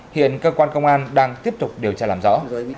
hiện cơ quan công an đang tiếp tục điều tra làm rõ